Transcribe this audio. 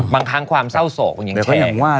บางครั้งความเศร้าโสกก็ยังแชร์